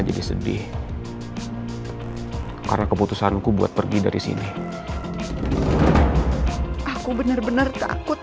gak mau kalo gue sampe pindah kuliah ke london